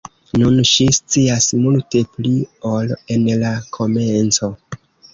Nun ŝi scias multe pli ol en la komenco.